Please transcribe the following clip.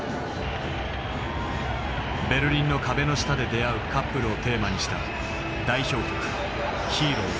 ベルリンの壁の下で出会うカップルをテーマにした代表曲「ヒーローズ」。